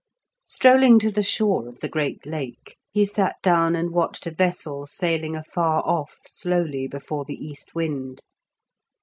Strolling to the shore of the great Lake, he sat down and watched a vessel sailing afar off slowly before the east wind.